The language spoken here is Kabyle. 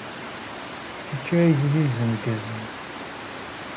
D kečč ara yeglilzen deg yiẓẓan.